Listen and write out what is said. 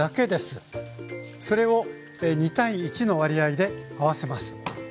それを２：１の割合で合わせます。